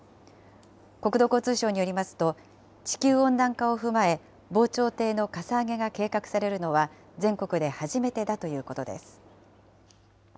国土交通省によりますと、地球温暖化を踏まえ、防潮堤のかさ上げが計画されるのは全国で初めてだということです。